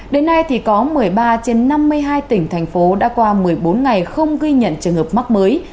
đến nay thì có một mươi ba trên năm mươi hai tỉnh thành phố đã qua một mươi bốn ngày không ghi nhận trường hợp mắc mới